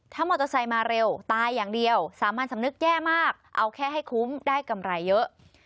ถ้ามอเตอร์ไซค์มาเร็วตายอย่างเดียวสามัญสำนึกแย่มากเอาแค่ให้คุ้มได้กำไรเยอะ